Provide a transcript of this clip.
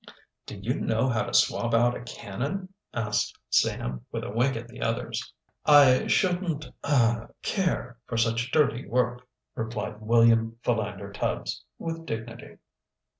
"Do you know how to swab out a cannon?" asked Sam, with a wink at the others. "I shouldn't ah care for such dirty work," replied William Philander Tubbs with dignity.